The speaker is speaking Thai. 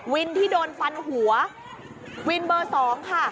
วินที่โดนฟันหัววินเบอร์สองค่ะ